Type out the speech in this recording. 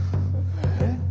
えっ？